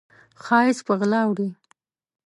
ښایست په غلا وړي